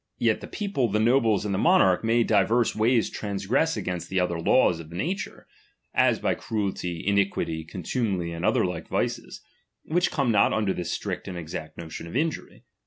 Yet tlie people, the nobles, and the monarch may di "Verse ways transgress against the other laws of *^»ature, as by cruelty, iniquity, contumely, and Either like vices, which come not under this strict ^Jid exact notion of injury.